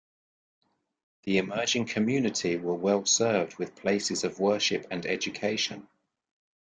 The emerging community were well served with places of worship and education.